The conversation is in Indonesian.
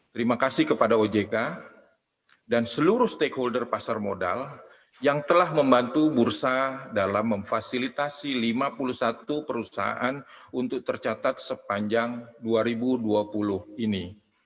terima kasih kepada ojk dan seluruh stakeholder pasar modal yang telah membantu bursa dalam memfasilitasi lima puluh satu perusahaan untuk tercatat sepanjang dua ribu dua puluh ini